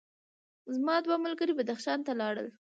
زما دوه ملګري بدخشان ته لاړل.